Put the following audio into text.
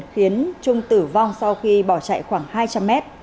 khiến trung tử vong sau khi bỏ chạy